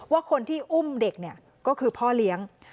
ว่าคนที่อุ้มเด็กเนี่ยก็คือพ่อเลี้ยง